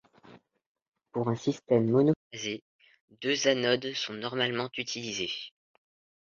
Pour un système monophasé, deux anodes sont normalement utilisées.